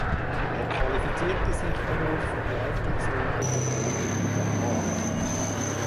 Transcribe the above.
Er qualifizierte sich dadurch für die Aufstiegsrunde zur Oberliga Nord.